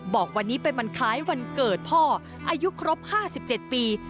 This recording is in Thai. บอกวันนี้เป็นวันคล้ายวันเกิดพ่ออายุครบ๕๗ปี